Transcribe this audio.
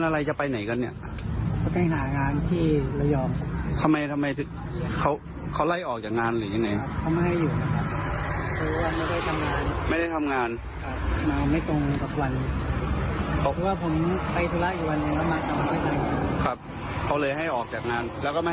แล้วมีเงินติดตัวมีอะไรมั้ย